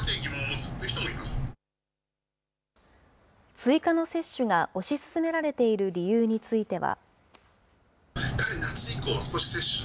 追加の接種が推し進められている理由については。